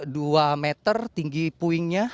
dua meter tinggi puingnya